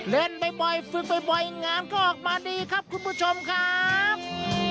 เล่นบ่อยฝึกบ่อยงานก็ออกมาดีครับคุณผู้ชมครับ